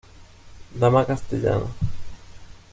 Dama castellana.